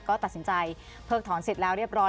ก็ตัดสินใจเพิกถอนเสร็จแล้วเรียบร้อย